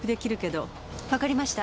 わかりました。